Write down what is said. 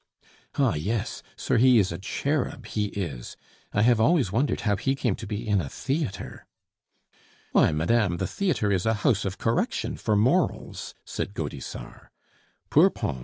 "Ah yes! sir, he is a cherub, he is. I have always wondered how he came to be in a theatre." "Why, madame, the theatre is a house of correction for morals," said Gaudissart. "Poor Pons!